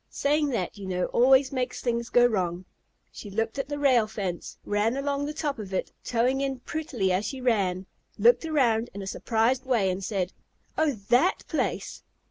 Saying that, you know, always makes things go wrong. She looked at the rail fence, ran along the top of it, toeing in prettily as she ran, looked around in a surprised way, and said, "Oh, that place?"